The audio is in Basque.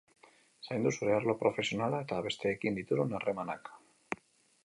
Zaindu zure arlo profesionala eta besteekin dituzun harremanak.